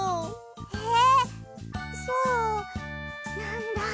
えっそうなんだ。